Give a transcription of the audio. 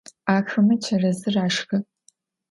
Axeme çerezır aşşxı.